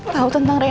tau tentang rena